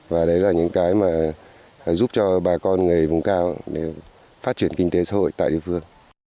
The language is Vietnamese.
và đấy là những cái mà giúp cho bà con người vùng cao để phát triển kinh tế xã hội tại địa phương